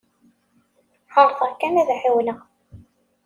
Ɛerḍeɣ kan ad ɛawneɣ.